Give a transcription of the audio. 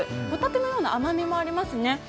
ホタテのような甘みもありますね。